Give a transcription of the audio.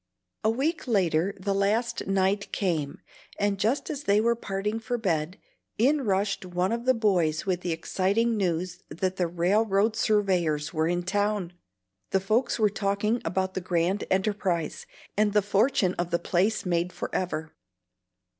A week later the last night came, and just as they were parting for bed, in rushed one of the boys with the exciting news that the railroad surveyors were in town, the folks talking about the grand enterprise, and the fortune of the place made forever.